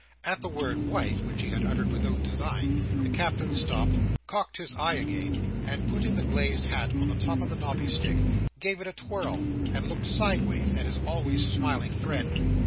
At the word "wife" (which he had uttered without design), the Captain stopped, cocked his eye again, and putting the glazed hat on the top of the knobby stick, gave it a twirl, and looked sideways at his always smiling friend.